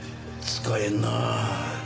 使えんなあ。